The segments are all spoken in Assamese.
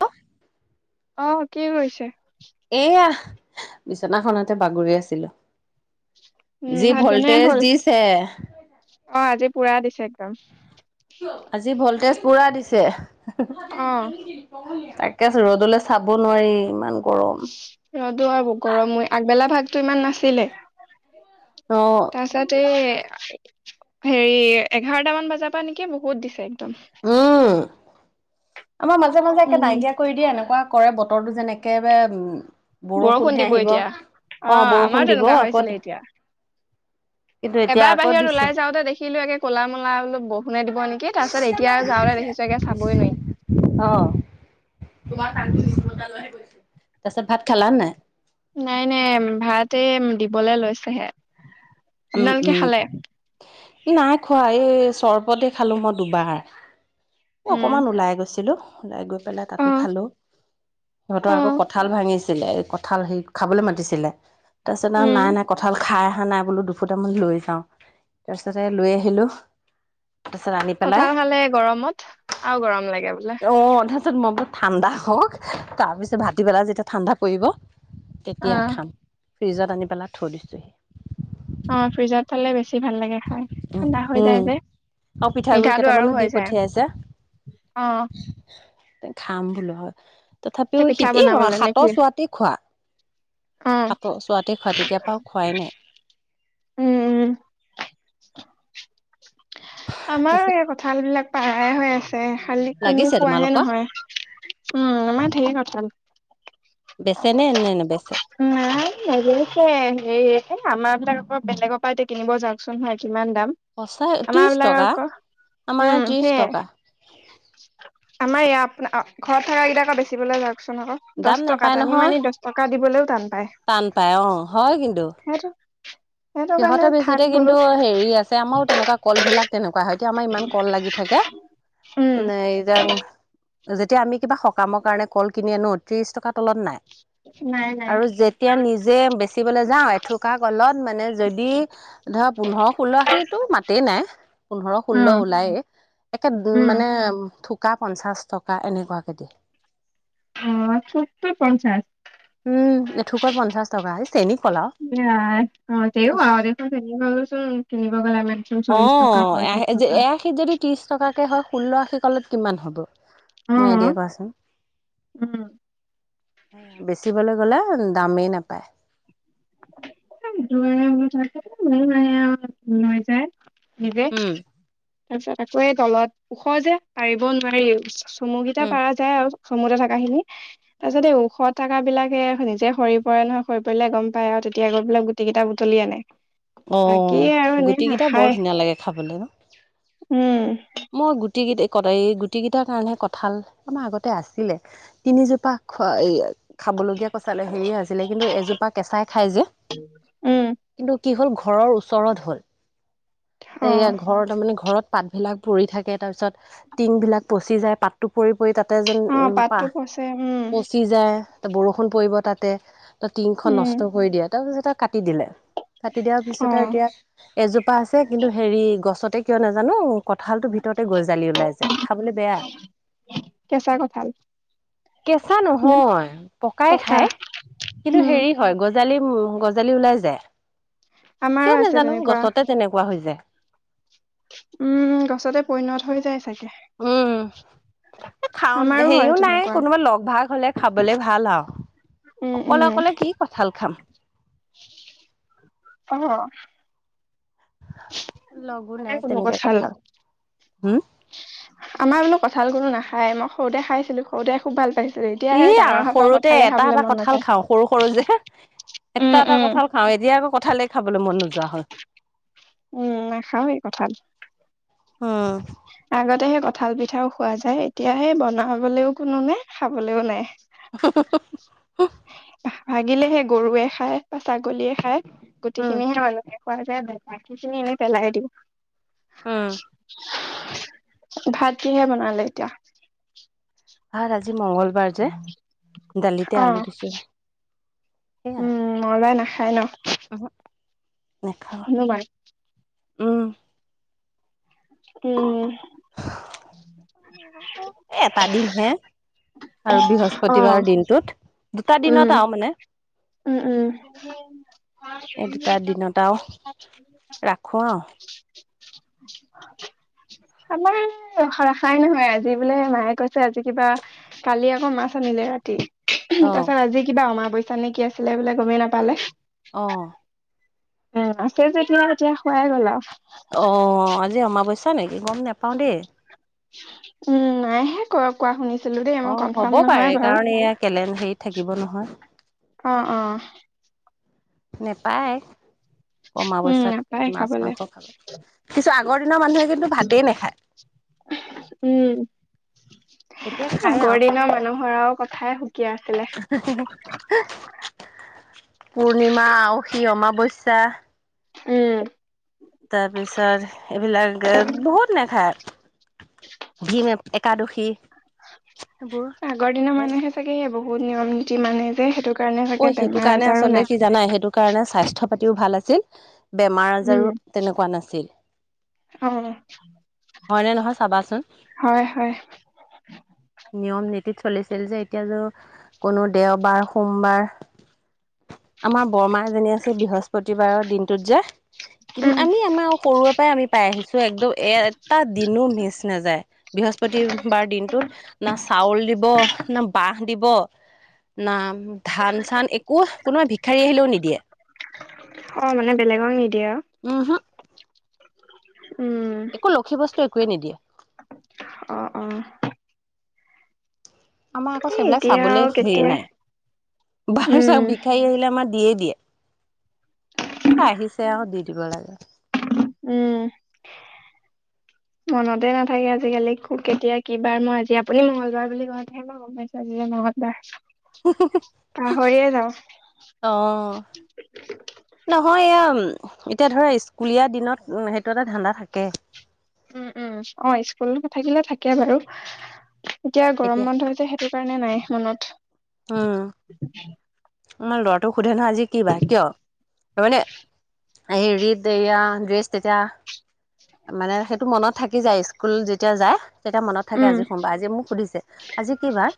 হেল্ল' অ' কি কৰিছে? এয়া, বিচনাখনতে বাগৰি আছিলো। উম যি ভাত বনাই ভল্টেজ হ'ল? দিছে। অ' আজি পোৰা দিছে একদম। আজি ভল্টেজ পোৰা দিছে। অ'। তাকেতো ৰ'দলে চাব নোৱাৰি ইমান গৰম। ৰ'দো আৰু গৰমই আগবেলা ভাগতো ইমান নাছিলে। অ তাৰপিছতে এই হেৰি এঘাৰটামান বজাৰ পৰা নেকি বহুত দিছে একদম। উম, আমাৰ মাজে মাজে একে উম। নাইকিয়া কৰি দিয়ে এনেকুৱা কৰে, বতৰটো যেন একেবাৰে, উম। বৰষুণ বৰষুণহে দিব আহিব এতিয়া, অ' বৰষুণ আমাৰো দিব তেনেকুৱা আকৌ হৈছিলে, এতিয়া কিন্তু এতিয়া এবাৰ আকৌ বাহিৰত দিছে ওলাই যাওঁতে দেখিলো, একে কলা মলা মই বোলো বৰ শুমাই দিব নেকি, তাৰ পিছত এতিয়া যাওতে দেখিছো একে চাবই নোৱাৰি। অ', তোমাৰ [unintelligible] তাৰপিছত ভাত খালা নাই? নাই নাই, ভাত এ দিবলৈ লৈছেহে। উম আপোনালোকে উম, খালে? নাই খোৱা, এই চৰ্বতে খালো মই দুবাৰ। এ উম। অকমান ওলাই গৈছিলো, ওলাই গৈ ওলাই পেলাই অ তাতো খালো, সিহঁতৰ অ আকৌ কঁঠাল ভাঙিছে। ছিলে কঁঠাল হে খাবলৈ মাতিছিলে, তাৰপিছত আৰু উম। নাই নাই কঁঠাল খাই আহা, নাই বোলো দু ফুটামান লৈ যাওঁ, তাৰপিছতে লৈ আহিলো। তাৰপিছত আনি পেলাই কঠাল খালে গৰমত, আৰু গৰম লাগে বোলে। অ' তাৰ পাছত মই বোলো ঠাণ্ডা হওক, তাৰপিছত ভাতি বেলা যেতিয়া ঠাণ্ডা পৰিব অ তেতিয়া খাম, ফ্ৰিজত আনি পেলাই থৈ দিছোঁহি। অ' ফ্ৰিজত থলে বেছি ভাল লাগে খাই। ঠাণ্ডা হৈ যায় উম, যে আৰু পিঠাগুৰি মিঠাটো আৰু কেইটামানো হৈ দি যায় পঠিয়াইছে। অ খাম বোলো হয়, সেই তথাপিও পিঠা সি এই বনাবলৈ নে কি সাতৰ চুৱাতে খোৱা। অ সাতৰ ছোৱাতে খোৱা ঔতেতিয়াৰ পৰা আৰু খোৱাই নাই। উম। আমাৰো তাৰপিছত এই কঁঠাল বিলাক পাৰাই হৈ আছে। খালি কোনো লাগিছে খোৱাহে তোমালোকৰ নহয়, উম আমাৰ ঢেৰ কঠাল। বেচে নে নেবেচে। নাই নেবেছে, হেৰি আমাৰ বিলাক আকৌ বেলেগৰ পৰা এতিয়া কিনিব যাওকচোন, হয় কিমান দাম। সচা আমাৰ ত্ৰিশ বিলাক টকা, আকৌ আমাৰ উম ইয়াত ত্ৰিশ সেয়ে তকা। আমাৰ ইয়াত ঘৰত থকা কেইটা বেচিবলৈ যাওকচোন আকৌ। দাম দহ টকা, নোপায় টানি নহয় মানি দহ টকা দিবলৈও টান পায়। টান পায়, অ' হয় কিন্তু। সেইটো সেইটো কাৰণে সিহঁতেৰ থাক বেছোতে বোলো। কিন্তু হেৰি আছে আমাৰো তেনেকুৱা কল বিলাক তেনেকুৱা হয় এতিয়া আমাৰ ইমান কল লাগি থাকে, উম ন এতি যেতিয়া আমি কিবা সকামৰ কাৰণে কল কিনি আনো ত্ৰিশ টকাৰ তলত নাই। নাই নাই আৰু যেতিয়া নিজে বেচিবলৈ যাও এথোক‌া ক'লত মানে যদি ধৰা পোন্ধৰ ষোল্ল আশিটো মাতেই নাই, পোন্ধৰ অ ষোল্ল ওলায়ে। একে উম মানে থোকা পঞ্চাশ টকা এনেকুৱাকে দি। অহ, থোকটা পঞ্চাশ। উম, এথোকত পঞ্চাশ টকা। এই চেনী কল আও দে আৰু। অহ, তেও আৰু দেচোন [unintelligible] কেনিব গ'লে আমৰ চোন চল্লিশ টকা পঁয়ত্ৰিশ টকা। ত্ৰিছ টকাকৈ হয়, ষোল্ল আশি কলত কিমান হ'ব অ তুমি এ দিয়ে কোৱাচোন? উম। বেচিবলৈ গ'লে দামেই নাপায়। দৈ হৈ যায়, কেতিয়াবা লৈ যায় আৰু। নিজে উম তাৰপিছত আকৌ এই তলত ওখ যে পাৰিবও নোৱাৰি। চমুকেইটা উম পাৰা যায় আৰু চমুতে থকা খিনি তাৰপাছিতে এই ওখ টাকা বিলাকে নিজে সৰি পৰে নহয়, সৰি পৰিলে গম পায় আৰু তেতিয়া গৈ পেলায় গুটি কেইটা বুটলি আনে। বাকী অহ, আৰু এনে গুটিকেইটা নাখায় বৰ ধুনীয়া লাগে খাবলৈ ন'। উম। মই গুটিকেইট ক, এই গুটিকেইটাৰ কাৰণহে কঁঠাল আমাৰ আগতে আছিলে। তিনিজোপাক খোৱা এই খাবলগীয়া কঁঠাল হেৰিয়ে হৈছিলে কিন্তু এজোপা কেঁচাই খাই যে। উম কিন্তু কি হ'ল ঘৰৰ ওচৰত হ'ল। অ এইয়া ঘৰৰ তাৰমানে ঘৰত পাতবিলাক পৰি থাকে, তাৰপিছত টিংবলাক পচি যায়। পাত টোপৰি পৰি তাতে যেন অ উম, পাতটো পাহ পচে উম পচি ফুটি যায়, ত' বৰষুণ পৰিব তাতে, ত' টিংখন উম নষ্ট কৰি দিয়ে, তাৰপিছতে কাটি দিলে। কাটি দিয়াৰ অ পিছত আৰু এতিয়া এজোপা আছে কিন্তু হেৰি গছতে কিয় নাজানোঁ কঁঠালটোৰ ভিতৰতে গজালি ওলাই যায়, খাবলছ বেয়া। কেঁচা কঁঠাল কেঁচা নে নহয় পকাই পকা খায় কিন্তু উম হেৰি হয়। গজালি উম, গজালি ওলাই যায়। আমাৰো কিয় আছে নাজানোঁ তেনেকুৱা গছতে তেনেকুৱা হৈ যায়। উম, গছতে পৰিণত হৈ যায় চাগে। উম, খাওঁ আমাৰো হয় হেৰিও নাই তেনেকুৱা কোনোবা লগ-ভাগ হ'লে খাবলে ভাল আৰু উম অকলে-অকলে কি কঁঠাল খাম। অহ। লগো নাখাই নাই কোনো তেনেকে কঁঠাল। হম? আমাৰ বোলো কঁঠাল কোনো নাখায়। মই সৰুতে খাইছিলো‌‌, সৰুতে খুব ভাল পাইছিলোঁ। ই সৰুতে এটা-এটা কঁঠাল নাযায় খাওঁ সৰু-সৰু যে উম এটা-এটা উম কঁঠাল খা খাওঁ। এতিয়া আকৌ কঁঠালেই খাবলৈ মন নোযোৱা হ'ল। উম, নখাও এই কঁঠাল। অহ। আগতে সেই কঁঠাল পিঠাও খোৱা যায়, এতিয়া সেই বনাবলৈও কোনো নাই খাবলৈও নাই। [unintelligible] ভাগিলেহে গৰুৱে খায় বা ছাগলীয়ে খায় উম গুটিখিনিহে মানুহে খোৱা যায়, বাকীখিনি এনেই পেলাই দিওঁ। উম ভাত কিহিৰে বনালে এতিয়া? ভাত আৰু আজি মঙলবাৰ যে দালিতে অ আলু দিছো সেয়া। উম, মঙলবাৰে নাখায় ন'। উমহোক নেখাওঁ হনুমান উম। উম। এ এটা দিন হে। আৰু অ বৃহস্পতিবাৰ দিনটোত, দুটা উম দিনত আৰু মানে। উম', উম'। এই দুটা দিনত আৰু ৰাখোঁ আৰু। [unintelligible] আমাৰ ৰাখাই নহয়, আজি বোলে মায়ে কৈছে আজি কিবা কালি আকৌ মাছ আনিলে ৰাতি। তাৰ অ', পিছত আজি কিবা অমাৱস্যা নে কি আছিলে বোলে গমেই নাপালে। অ', মাছে যেতিয়া এতিয়া খোৱাই গ'ল আৰু। অ, আজি অমাৱস্যা নেকি গম নোপাওঁ দেই। উম, নাই হে। কোৱা শুনিছিলোঁ দেই? মই অ, কনফাৰ্ম হব নহয় পাৰে বাৰু কাৰণ এয়া কেলেন হেৰিত থাকিব নহয়। অ, অ, নেপায়? উম অমাৱস্যাত নাপায় মাছ খাবলে মাংস খালে কিছু আগৰ দিনৰ মানুহে কিন্তু ভাতেই নাখায়। উম, এতিয়া খায় আৰু আগৰ দিনৰ মানুহৰ আৰু কথা কথাই সুকীয়া। আছিলে। পূৰ্ণিমা, আওখি, অমাৱস্যা, উম, তাৰপিছত এইবিলাক বহুত নে খায়। ভীম একাদশী। এইবোৰ আগৰ দিনৰ মানুহে চাগে বহুত নিয়ম নীতি মানে যে সেইটো কাৰ অ, সেইটো কাৰণে আচলতে কি জানাই সেইটো কাৰণে স্বাস্থ্য পাতিও ভাল আছিল। বেমাৰ উম। আজাৰো তেনেকুৱা নাছিল। অ হয়নে নহয় চাবাচোন। হয় হয় নিয়ম নীতিত চলিছিল যে, এতিয়া কোনো দেওবাৰ, সোমবাৰ, আমাৰ বৰমা এজনী আছিল, বৃহস্পতিবাৰৰ দিনটোত যে কি উম আমি আমাৰ সৰুৰ পৰাই আমি, পাই আহিছো একদম এ এটা দিনো মিচ নাযায় বৃহস্পতিবাৰ দিনটোত। না চাউল দিব, না বাহ দিব, না ধান চান একো কোনোবাই ভিখাৰী আহিলেও নিদিয়ে। অ, মানে বেলেগক নিদিয়ে আৰু। উমহু, উম, একো লক্ষী বস্তু একোৱে নিদিয়ে। অ, অ, আমাৰ আকৌ এই সেইবিলাক এতিয়া চাবলৈ আৰু হেৰি কেতিয়া নাই, বাৰু উম ভিখাৰী আহিলে আমাৰ দিয়ে-দিয়ে। আহিছে আৰু দি দিব লাগে। উম, মনতে নাথাকে আজিকালি কো কেতিয়া কিবাৰ মই আজি আপুনি মংগলবাৰ বুলি কয়ও তে মই ম চা যি যে নহ দ [unintelligible] পাহৰিয়েই যাওঁ। অ নহয় এয়া, এতিয়া ধৰা স্কুলীয়া দিনত সেইটো এটা ধান্দা থাকে। উম, উম, অ, স্কুল থাকিলে থাকে বাৰু এতিয়া এতিয়া গৰম বন্ধ হৈছে। সেইটো কাৰণে নাই মনত। উম, উ [unintelligible] তমাৰ ল'ৰাটোক সোধে নহয় আজি কি বাৰ কিয়? তাৰ মানে এইৰিদ এয়া ড্ৰেছ তেতিয়া। মানে সেইটো মনত থাকি যায়, স্কুল যেতিয়া যায় তেতিয়া মনত থাকে। উম। আজি সোমবাৰ আজি মোক সুধিছে আজি কিবাৰ?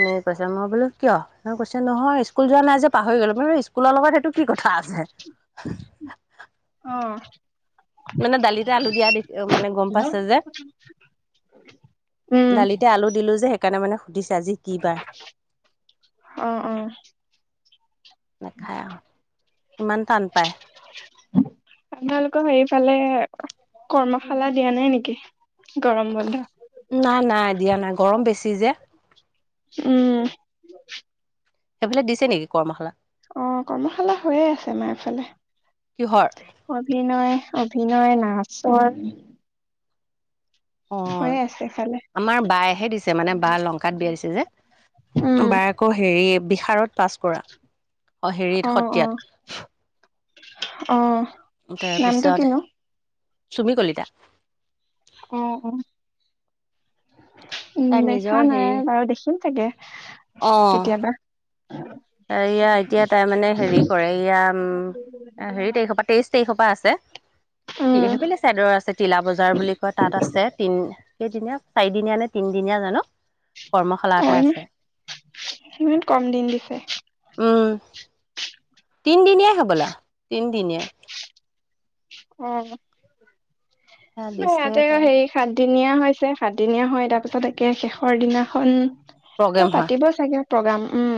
এনে কৈছা মই বোলো কিয় ম কৈছ নহয় স্কুল যোৱা নাই যে পাহৰি গলো কিন্তু স্কুলৰ লগত সেইটো কি কথা আছে। অ', মানে দালিতে আলু দিয়া দে মানে গ'ম পাইছে যে। উম দালিতে আলু দিলো যে কাৰণে মানে সুধিছে আজি কি বাৰ? অ অ নাখায় আৰু ইমান টান পায়। আপোনালোকক হেফালে কৰ্মশালা দিয়া নাই নেকি। গৰম বন্ধ। নাই, নাই দিয়া নাই গৰম বেছি যে। উম সেইফালে দিছে নেকি কৰ্মাশালা। অ', কৰ্মশালা হৈয়ে আছে মাৰফালে। কিহৰ অভিনয় অভিনয় নাচৰ। হৈ অ', আছে ফালে আমাৰ বায়েহে দিছে মানে বা লংকাত বিয়া দিছে যে বায়। আকৌ হেৰি বিশাষাৰত পাছ কৰাঁ হেৰিত অ অ সত্ৰিয়াত। অ'। নামটো তাৰপিছত কিনো চুমি কলিতা। অ', অ'। উম তাই দেখা নিজৰ নাই হেৰি বাৰু দেখিম চাগে কেতিয়াবা। এ ইয়া এতিয়া তাই মানে হেৰি কৰে ইয়া উম। অ', হেৰি তাৰিশৰ পৰা তেইশ তাৰিখৰ পৰা আছে কি উম [unintelligible] ছাইডৰ আছে তিলা বজাৰ বুলি কয় তাত আছে তিনি সেইদিনীয়া চাৰিদিনীয়া নে তিনদিনীয়া জানোঁ কৰ্মশালা অ এটা আছে। ইমান কম দিন দিছে। উম। তিনদিনীয়াই হ'বলা তিনদিনীয়াই অ', সেয়া দিছে তাতে তাই হেই সাতদিনীয়া হৈছে সাতদিনীয়া হয় তাৰ পিছত একে শেষৰ দিনাখন প্ৰগ্ৰেম কিয় হয় পাতিব চাগে প্ৰগ্ৰাম উম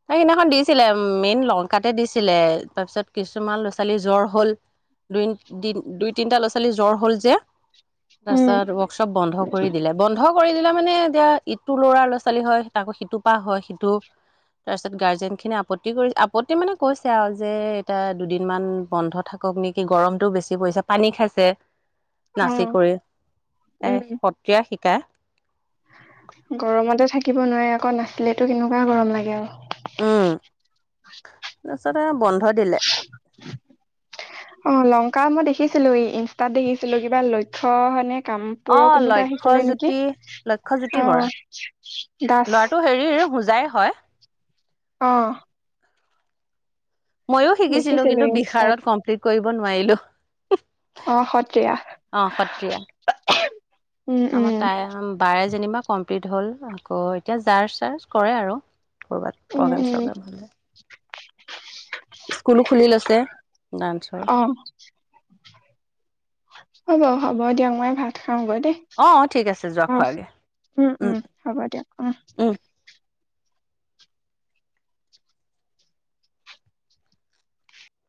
ত সেইদিনাখন দিছিলে মেইন লংকাতে দিছিলে তাৰপিছত কিছুমান ল'ৰা ছোৱালীৰ জ্বৰ হল। দুই, দুই তিনটা ল'ৰা ছোৱালী জ্বৰ হ'ল যে উম তাৰপিছত উৎসৱ বন্ধ কৰি দিলে বন্ধ কৰি দিলে মানে এতিয়া ইটো ল'ৰা ল'ৰা ছোৱালী হয় তাকো সিটো পা হয় সিটো তাৰপিছত গাৰ্জেন খিনি আপত্তি কৰি আপত্তি মানে কৈছে আৰু যে এতি দুদিনমান বন্ধ থাক কওক নেকি গৰমটোও বেছি পৰিছে পানী খাইছে [inaudible] নাচি কৰি তাই উম সত্ৰীয়া শিকায়। গৰমতে থাকিব নোৱাৰে আকৌ নাছিলেতো কেনেকুৱা গৰম লাগে আৰু। উম, তাৰপিছত বন্ধ দিল [unintelligible] অ', লংকা মই দেখিছিলোঁ ইনষ্টাত দেখিছিলোঁ কিবা লক্ষ্য নে কাম। অ পুৰৰ কোনোবা আহিছিলে নেকি লক্ষ্যজ্যোতি লক্ষ্যজ্যোতি অ', দাস। হেৰিৰ হোজাই হয়। অ'। ময়ো শিকিছিলোঁ দেখিছিলো কিন্তু ইনষ্টাত বিষাৰত কমপ্লিট কৰিব নোৱাৰিলোঁ। অ', সত্ৰীয়া। উম উম আমাৰ তাই বাৰে যেনিবা কমপ্লিট হ'ল আকৌ এতিয়া জাৰ্জ চাৰ্জ কৰে আৰু। ক'ৰবাত উম প্ৰগেম উম চগ্ৰেম হ'লে। [unintelligible] স্কুলো খুলি লৈছে ডান্সৰ। অ', হ'ব হ'ব দিয়ক মই ভাত খাওঁগৈ দেই। অ ঠিক আছে যোৱা অ', খোৱাগে উম, উম হ'ব দিয়ক উম।